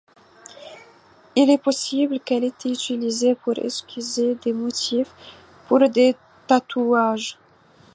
Il est possible qu'elles aient été utilisées pour esquisser des motifs pour des tatouages.